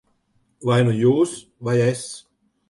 Vai nu jūs, vai es.